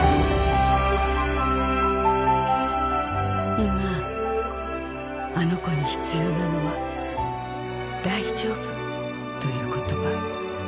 「今あの子に必要なのは“大丈夫”という言葉」